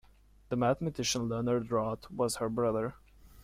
The mathematician Leonard Roth was her brother.